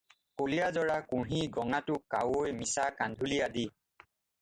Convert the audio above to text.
কলীয়াজৰা, কুঢ়ি, গঙাটোপ, কাৱৈ, মিছা, কান্ধুলি আদি।